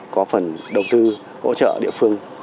có phần đầu tư hỗ trợ địa phương